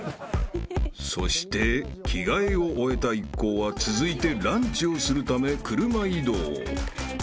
［そして着替えを終えた一行は続いてランチをするため車移動］